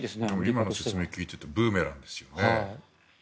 今の説明を聞いているとブーメランですよね。